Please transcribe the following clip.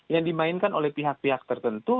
yang dimainkan oleh pihak pihak tertentu